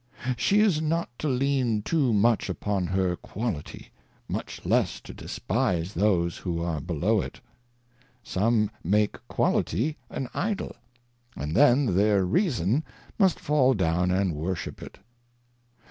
She is not to lean too much upon her Quality, much less to despise those who are below it. Some make Quality an Idol, and then their Reason must fall down and Worship it.